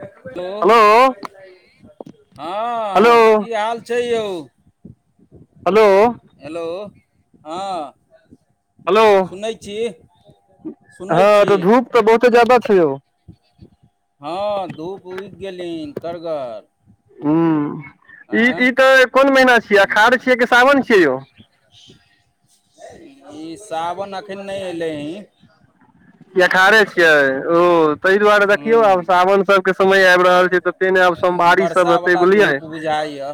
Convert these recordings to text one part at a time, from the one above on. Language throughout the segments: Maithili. हेलो हेलो हँ कि हाल छै यौ। हेलो। हेलो ह हेलो सुनै हँ तऽ धूप त बहुते जादा छै यौ। ह धूप उगि गेली करगर ई ई तऽ कोन महीना छियै अषाढ़ छियै कि सावन छियै यौ। इ सावन अखन नहि एले ह एखारे छियै ओ ताहि दुआरे देखियौ आब हूँ सावन सभके समय आबि रहल छै त। एते नहि आब सोमवारी सभ हेतै बुझलियै बुझाइ या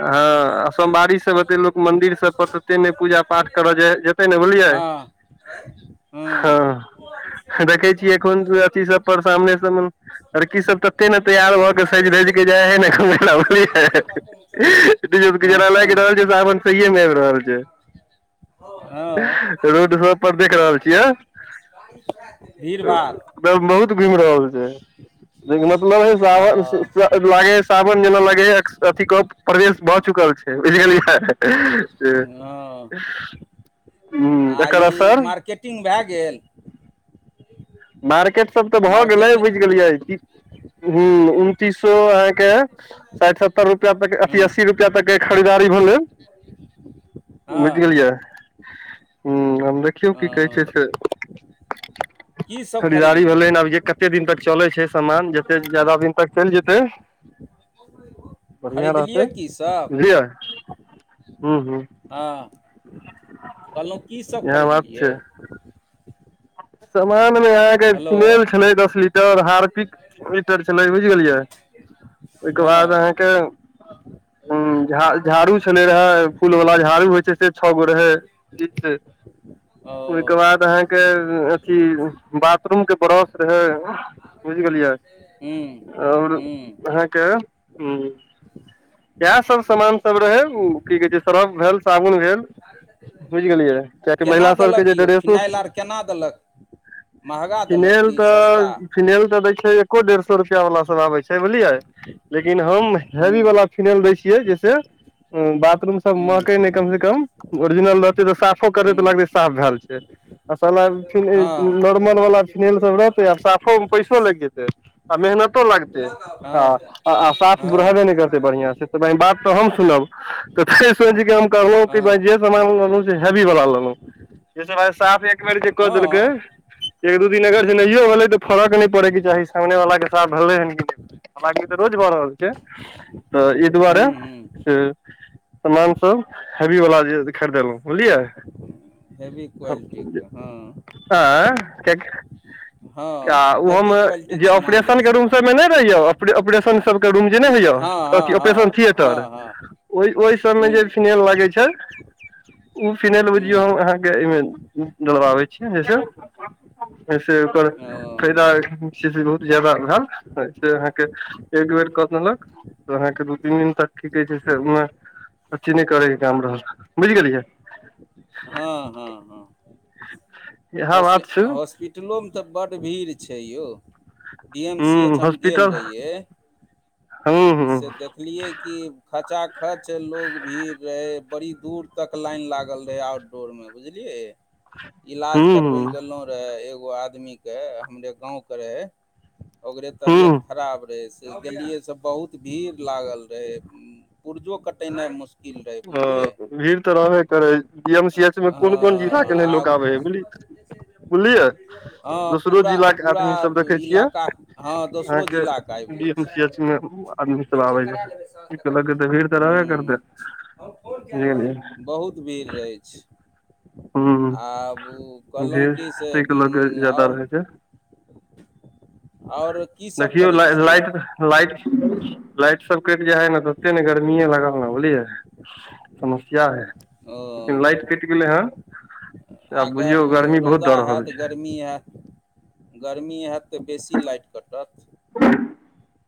हँ आ सोमवारी सब एते लोक मंन्दिर सभ पर तते नहि पूजा पाठ करऽ जेतै ने बुझलियै। हँ ह देखै छिय एखन अथी सभ पर सामने स लड़की सभ तते ने तैयार भऽ के सजि रजि के जाय है नहि ज हँ लागि रहल छै सावन कयमेर रहल रहल छै। ह रोड रो पर देख रहल छियै। भीड़ भाड़ एक बहुत घुमि रहल छै। मतलब हे हँ सन ले सावन जेना लागे अथी क प्रवेश भ चुकल छै बझल हँ आ ई मार्केटिग भए गेल मार्केट सभ तऽ भऽ गेलै बुझि मार्केटिंग गेलियै ह हँ उनतीस सो अहाँकेँ साठि सत्तर रुपैआ तक अति हँ अस्सी रुपैआ तक के खरीदी भेल। बुझि हँ गेलियै हम देखियौ कि कहै छै हँ से कीसभ खरीदारी भेलै खरीदलियै हन आब जे कते दिन तक चलै छै सामान जते जादा दिन तक चलि जेतै। बढ़िआ रहतै खरीदलियै कीसभ बुझलियै ह ह हँ कहलहुँ कि सभ इएह बात खरीदलियै सामानमे अहाँकेँ हेलो फिनल छलै दस लीटर हार्पिक ईटर छल बुझ गेलियै ओहिके हँ बाद अह। झाड़ू छले रहे फूल वाला झाड़ू होइ छै छै गो रहै ओ ओहिके बाद अह के अथि बाथरूम के ब्रश रहै बुझ गेलियै ह्म आओर ह्म अहाँकेँ ह इएह सभ समामान सभ रहे की कहे छै सर्फ भेल साबुन भेल बुझि गेलियै कियाकि केना महिला सभके देलक जे यौ ड्रेसो फिनाइल आर केना देलक महगा देलक कि सस्ता फिनालि तऽ दय छै एको डेढ़ सए रुपआ वाला सब आबे छै बुझलिये लेकिन हम हेवी ह्म वला फिनाइल दैय छियै जैसे बाथरूम सब ह्म महकई नै कम से कम ओरिजिनल र तऽ साफो करे तऽ ह्म लगते साफ भेऽल छै आ सला नॉर्मल वाला फिनईल सब रहतै आ हँ साफो पैसो लागि जेतै आ मेहनत लगतै हँ आ आ साफ गोल हँ हेबे नय करतै बढ़ियां से ताय बात तऽ हम सुनब तऽ ते सोझ के हम कहलहुं कि जे सान लेलहु से हेवी वाला लेलहुँ जैसऽ भाई साफ एक बेर जे कऽ देलकै हुँ एक दू दिन अगर जे नहियो भेलै तऽ फरक नय पड़ेके चाही सामने वला के साफ भेलै हन कि नय हलाकि तऽ रोज भऽ रहल छै हं ई दुआरे हुँ से समान सभ हेवी वला जे खरीदेलहुँ बुझलियै हेवी क्वालिटीके हँ आँ क हँ आ ओहो हेवी मे क्वालिटीके जे सामान लै ऑपरेशन के छियै रूम सब मे नहि रहयि ऑप ऑपरेशन क रूम जे नय होइय हँ हँ अथ ऑपरेशन हँ थिएटर हँ हँ ओई ओई सब मे जे हुँ फिनेल लगै छै ऊ फिनाल हुँ बुझियौ हम अहाँके एहिमे डलबाबै छियै जैसे अईसे ओकर फायदा ओ छै से बहुत जादा भेऽल से अहाँके एक बेर क देलक अहाँके दू तीन दिन तक की कहै छै सेह अथी नय करैके काम रहल बुझि गेलियै हूं हूं हूं इएह हाॅस बात छै हाॅस पिटलो मे ते बड भीड़ छै यौ डी एम सी हूँ एच हम गेल हॉस्पिटल रहियै हूँ हूँ से देख देखलियै कि खचा खच लोग भीड़ रहै बड़ी दूर तक लाइन लागल रहै आओर रोर मे बुझलियै इलाज करबै लए हूँ हूँ गेलहु रहे एगो आदमीके हमरे गाँवके रहए ओकरे हूँ तबियत खराब रहै से गेलियै सब बहुत भीड़ लागल रहै पुर्जो कटेनाइ मुश्किल रहै ह बुझलियै भीड़ तऽ रहबे करै पिएम सी हँ एच मे कुन कुन जिला के नय लोक आब इस है बुझलियै बुझलियै हँ दोसरो पूरा जिला के पूरा आदमी सब देखै छियै इलाका हँ अहाँ दोसरो के जिलाके आबि गेल डी एम छै सी एच मे आदमी सब आबै है भीड़ तऽ रहबे करतै हम फोन कए बुझलियै रहब बहुत भीड़ रहै छै हूँ आब ऊ कहलहुँ भीड़ कि से ताहिके लऽ कऽ ऊं ज्यादा आउ रहै छै आओर की सब करै छियै लाईब छै [inaudible] सब कटि जाई है न त ओते न गर्मीए लागल न बुझलियै समस्या है लेकिन लाइट कटि गेलै हँन आगरऽ रौदा दऽ रहल हेत छै गरमी हेऽत गरमी हैत तऽ बेसी लाइट कटत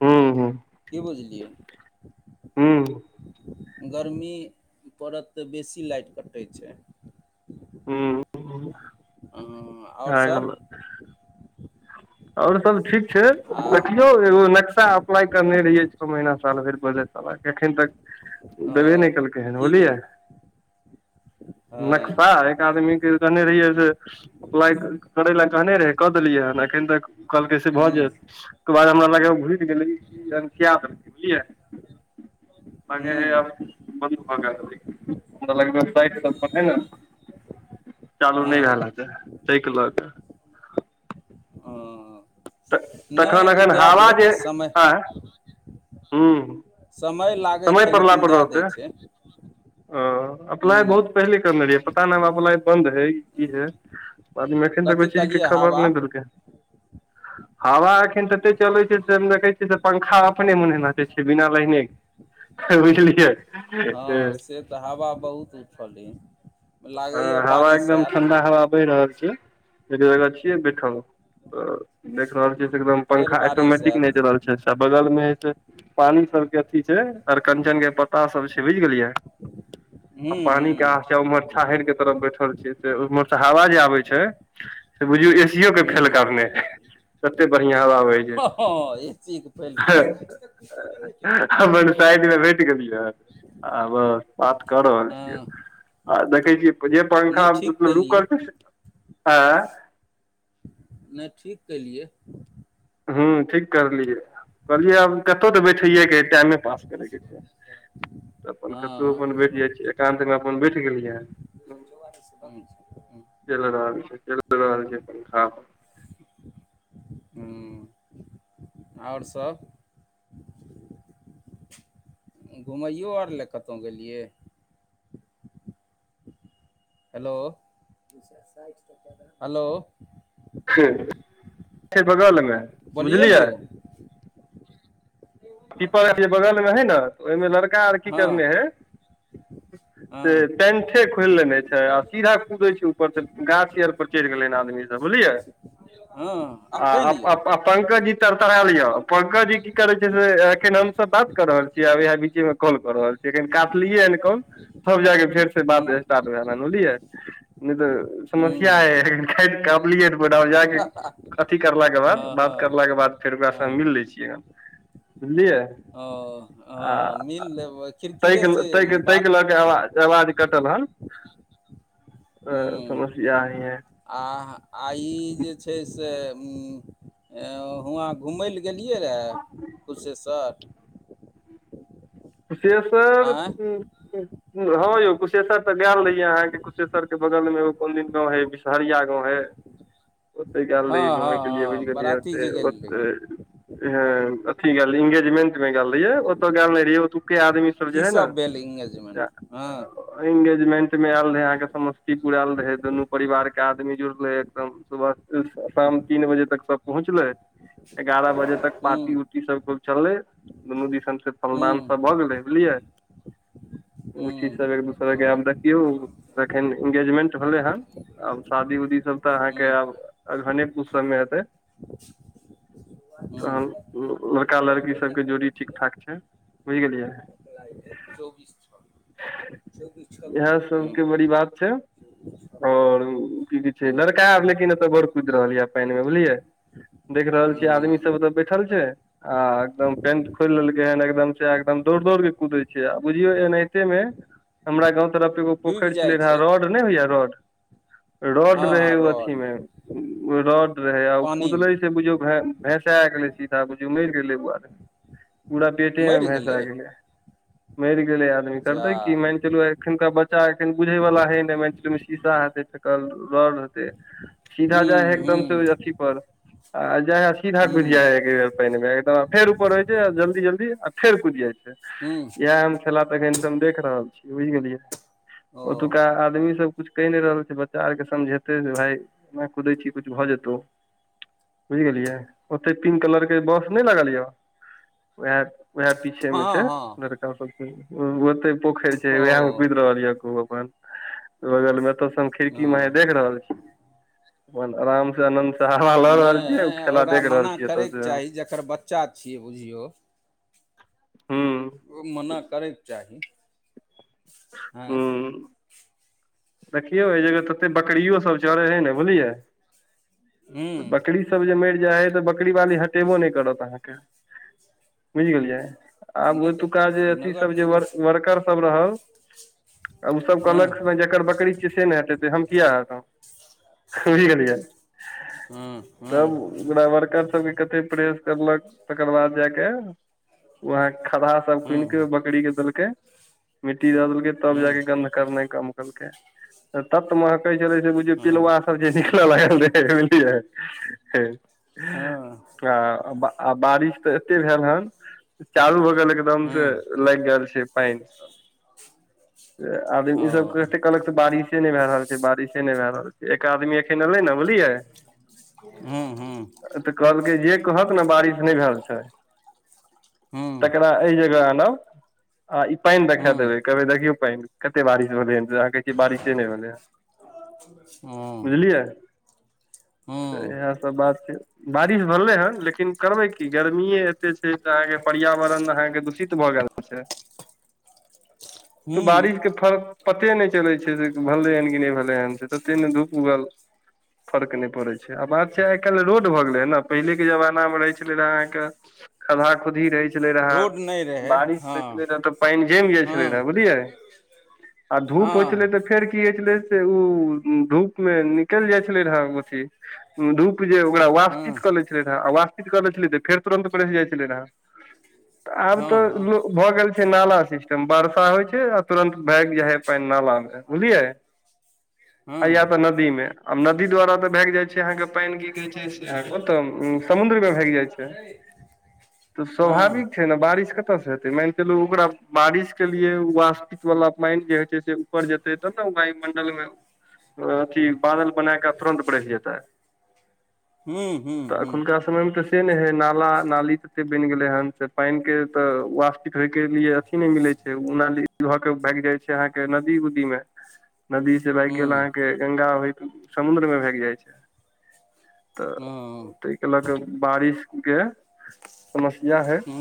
हूं हूं की बुझलियै हूँ गर्मी पड़त तऽ बेसी लाइट कटै छै हूं हाँ आऔर सभ आओर सभ ठीक छै देखियौ आ एगो नक्शा अप्लाइ करने रहियै छओ महिना साल भरि पहले साला एखन तक। देबे नहि कलकै हैं की बूलियै भेल हँ नक्शा एक आदमी क कहने रहियै जे अप्लाइ करै लए कहने रहै क देलियै हन एखन तक कहलके से भऽ हूँ जेयत ओकर बाद हमरा लागऐ घुरि गेलै किए किया। हगे हूँ अब बंद भगेल होबहि हमरा लगलै पाइप सभ अखै ने चालू नहि हँ भेल हतै तइके लऽ क हैं तऽ नहि तखन एखन उदए हवा देत जे समय आँय हूँ। समय लागै छै लेकिन देए दै छै। आ अप्लाइ हूँ बहुत पहिले करने रहियै ताना बाबू वाला बंन्द है कि बाद मे अखन तक कथी ओ चीज के कहलियै खबर हवा नहि देलकै ह हवा एखन तते चलैत छै से देखै छियै से पंखा अपने मुने नाचे छै बिना लाएने क ऐबे बुझलिए हँ से तऽ हवा बहुत उठल य हवा एकदम ठण्डा हवा बहि रहल छै अक्रारा रखिए देखाउ त देख रहल छी एकदम फेर पंखा बारिश आयत अटोमेटिक नेएच रहल छै अच्छा अच्छा बगलमेइ ऐते। पानी सबके अथि छै अरकञ्चन के पत्ता सभ छै बुझ गेलियै मु हू उमर छाहर के तरफ बैठल छीयै से ऊमहर सँ हावा जे आबे छै। स बुझियौ एशिओके फेल हूँ कारने हे तते बरिहिया हवा बह छै हँ एसी के फैल है केने छै हमर न शायमे भेटगेलियै आबो बात क रहल छियै हँ आ देखै छि जे पंखा नहि ठीक मतलब केलियै रूकल छै से एँय नई ठीक केलियए। हून ठीक करलियै कहलियै आब कतदेबै ठेहिएया के टाइम पास हेतई के जे अपन कतहु हँ अपन बैठ जाइ छी एकान्त मे अपन बैठ गेलियै चोव आलीस बनई छै चईल रहल छै चईल चईल रहल छै कुनू काम हू आओर सभ घुमैयो ओर लेए कतउ गेलियै हेलो, हेलो छै बगल मे बोलियौ बुझलियै [inaudible] पीपल बगल मे हइ ने तऽ ओहिमे लड़का आर कि हँ करने हइ से हँ पेठे खोलि लेने छै आ सीधा कुदै छै ऊपर तऽ गाछ आर पर चढ़ि गेले आदमी सभ बुझलियै हँ एखन यौ आ पंकजी तरतरा लिया पंकजी कि करे छै एखन हमस बात क रहल छियै आब इ बीचेमे कॉल कऽ रहल छियै एखन काटलियै हन कल सभ ज फेर से हूँ बस्ट्ट बझलियै तऽ हूँ सम्या ह [unintelligible] अथी करलाक के बाद हँ बात हँ करलला के बाद फेर ओका सँ हँ हम मिल ले छियै बुझलियै ओ हँ आ मिल लेबै खिड़किए से ताहिके ताहिके बात लऽ आवाज कटल हन हूँ समस्या ही है आ आ ई जे छै से उ हुआँ घुमय लए गेलियै रहए कुशेश्वर कुशेश्वर आँय हँ यौ कुशेश्वर त गेल रहियै अहाँके कुशेश्वर के बगल मे एगो कोन दिन गाँव हय डरिया गाँंव हे ओते गेल रहि हँ हँ घुमय के लिए बुझि हँ गेलियै बराती जे गेल रही ओते ह अथी गेल रहिये अंगेजमेंट मे गल रहहिऐ ओत गेल नय रहीए की सब भेल इंगेजमेंट म एंगेजमेंट मे आयल रहै अहाँके समस्तीपुर आयल रहै दुनू परिवार के आदमी जुड़ल रहे एकदम [unintelligible] शाम तीन बजे तक सब पहुँचले एगारह बजे तक हूँ पार्टी ई सब चलले दुनू दिस से हूँ फलदान सब भए गेले बुझलियै उ हूँ चीज स एकदम [unintelligible] आब देखिौ अखन इंगेजमेंट भेलै हन आब शादी उदी सब त आहाँ के अखनिया पुश सब मे हेतई हूँ हूँ लड़का लड़की सबके जोड़ी ठीक ठाक छै बुझ गेलियै इएह हूँ सबके बड़ी बात छै ओर की जे छै लड़का आब लेकिन एतय बड़ कुदि रहल य पानि मे बुझलियै देख रहल छीै आदमी सब हूँ एत बैठल छै आ एकदम पेंट खोलि लेलकै हन एकदम एकदम दौड़ दौड़ के कुदे छै आ बुझियौ एनाहिते मे हमरा गाँव तरफ एगो डूबि पोखर छलै जाइ रह छै रोड नय होइए रोड रोड हँ रहे हँ ओ अथी रड मे रोड रहे आ ओ कुदले पानिमे से बुझियौ भैंसा गेलै सीधा बुझ मरि गेलै ओ आदमी पूरा पेटे मे भैंसा गेलै मर गेलले आदमी जा करताै कि मान चलू अखुनका बच्चा एखन बुझे वाला हे ने [unintelligible] सीधा हूँ जाइ है एकदम से औ हूँ अथी पर आ जई सीधा खुद हूँ जाइ ह एक बेर पानि मे फेर ऊपर रहय छै जल्दी जल्दी फेर कुदि जाइ छै हूँ इहा हम खेला तखन से हम देख रहल छीयै बुझ गेलियै ओ ओतुका आदमी सब कुछु कहि नहि रहल छै बच्चा आरके समझेतै जे भाई एना कुदै छी किछु भ जेतौ बुझि गेलियै ओतेक तीन कलरके बस नय लागल यए उहा वएह पीछे में छै हँ हँ लड़का सबके ओते पोखर छै ओ वएहा मे खुद रहल य खू अपन बगल मे ओतह से हम खिड़की माहे ओ देख रहल छी अपन आराम से [unintelligible] ल रहल छियै खेला देख रहल छियै एत से एकर बच्चा छियै बुझियौ हूँ ओ मना करयके चाही हँ हूं देखियौ एहि जगह तते बकियो सब चरे है ने बुझलियै हूँ बकरी सब जे मरि जाइ हय त बकरी बाली हटेबो नय करत अहाँके बुझ गेलियै आब नहि तऽ ओतुका जे अथी नगर सब जे निगम वर्कर उ सब रहल अब उ सब हँ कल्हक न जे जेकर बकरी छ से नय हटेते हम किया हटेबे बुझ गेलियै ह तब हू ओकरा वर्कर सभके कथे प्रेस करलक तकर बाद जायाक वहाँ खदहा सभ हँ खुनिके बकरी के देलकै मिट्टी दऽ देलकै तब हँ जाक गन्ध करना कम केल त महकै छलुझ हँ प सब्जी निकल ल आ आ बारिश त एते भेल हन चालू होग गेल हँ एकदम से हँ लागि गेल छै पानन सभ आदमी सभ ओ कहते कहलक से बारिशे नहि भए रहल छै बारिशे नहि भए रहल छै आदमी एखन एलै ने बुझलियै। हूँ हूँ तऽ कहलकै जे कहत ने बारिश नहि भेल छै। हूँ तकरा एहि जगह आनब आई पानि देखा देबे हूँ कहबै देखिऔ पानि कते बारिश भेलै अहाँ कहै छियै बारिशे नहि भेलै हैं हूँ बुझलियै तऽ हूँ इएह सभ बात छै बारिश भेलै हँ लेकिन करबै की गर्मी एते छै तऽ अहाँकेँ पर्यावरण अहाँकेँ दूषित भऽ गेल छै। [unintelligible] तऽ बारिश हूँ के फर। पते नहि चलै छै से भेलनै ह कि नहि भेलै हँ से तते ने धूप उगल फर्क नहि पड़ै छै आ बात छै आइ कालहि रोड भऽ गेलै ह ने पहिलेके जमाना मे रहै छलै रहए अहाँकेँ खदा खुद्दही रहैत छलै रहै रोड नहि रहै बारिश रहै हँ छलै रहै त पानि जमि जाइ छलै रहै हँ बुझलियै आ धूप पहुचलै हँ तऽ फेर। कि होइ छलै से ओ धूप मे निकलि जाइ छलै रहे अथी धूप जे ओकरा हँ वास्तित कऽ लै छलै रहे आ वास्तित कऽ ले छलै तऽ फेर तुरन्त रहि जाइत छलै रहे आब तऽ हँ भऽ गेल छै नाला सिस्टम बर्षा होइ छै आ तुरन्त भागि जाय हय पे ने लै बुझलियै आ यया हँ तऽ नदी मे आ नदी द्वारा ते भाग जाय छै अहाँकेँ पानि क क [unintelligible] त स्वाभाविक छै ने बारिश कतेक कत से हेते मानि चलू ओकरा बारिश के लिए वपी वाला पानि जेे छै से ऊपर जेतै तब ने वाय मंडल मे अथी बादल बना कऽ तुरंत बस जेताै हूँ हूँ तऽ हूँ अखुनका समय मे त से नहि है नाला नाली तते बनि गेलै हन से पानि के तऽ वटिक होय के लिए अथी नहि मिलै छै उ नाली भऽ के भागि जाय छै अहाँकेँ नदी उदी मे नदी से भाग गेल अहा हूँ के गंगा भ समुद्र मे भाग जाय छै तऽ ताहिके लऽ क बारिशके समस्या हइ हँ